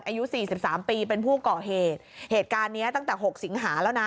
อายุสี่สิบสามปีเป็นผู้ก่อเหตุเหตุการณ์เนี้ยตั้งแต่หกสิงหาแล้วนะ